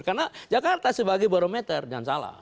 karena jakarta sebagai barometer jangan salah